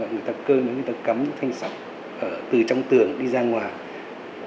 người ta cơi nới người ta cắm những thanh sóc từ trong tường đi ra ngoài